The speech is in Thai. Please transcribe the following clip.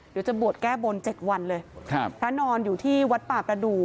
เดี๋ยวจะบวชแก้บนเจ็ดวันเลยครับพระนอนอยู่ที่วัดป่าประดูก